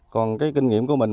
còn cái kinh nghiệm của mình